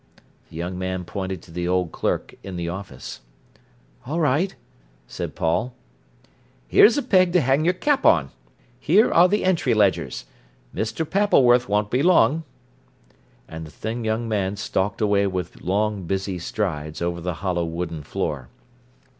The young man pointed to the old clerk in the office. "All right," said Paul. "Here's a peg to hang your cap on. Here are your entry ledgers. Mr. Pappleworth won't be long." And the thin young man stalked away with long, busy strides over the hollow wooden floor.